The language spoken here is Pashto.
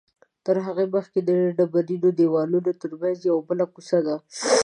تر هغې مخکې د ډبرینو دیوالونو تر منځ یوه بله کوڅه ده.